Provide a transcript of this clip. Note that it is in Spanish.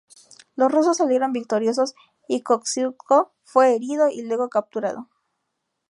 Los rusos salieron victoriosos, y Kościuszko fue herido y luego capturado.